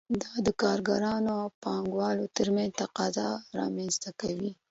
دا د کارګرانو او پانګوالو ترمنځ تضاد رامنځته کوي